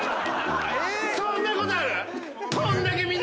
そんなことある⁉